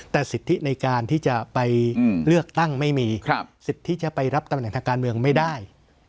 แต่สิทธิในการที่จะไปเลือกตั้งไม่มีสิทธิ์ที่จะไปรับตำแหน่งทางการเมืองไม่ได้